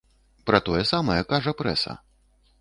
Пра тое самае кажа прэса.